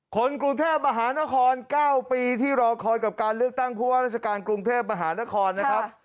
คนกรุงเทพมหานคร๙ปีที่รอคอยกับการเลือกตั้งผู้ว่าราชการกรุงเทพมหานครนะครับ